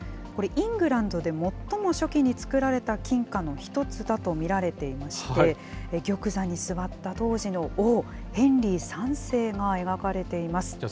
これ、イングランドでもっとも初期に作られた金貨の一つだと見られていまして、玉座に座った当時の王、ヘンリー３世が描かれています。